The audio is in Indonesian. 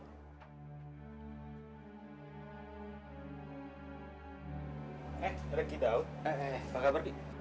eh reki daud apa kabar di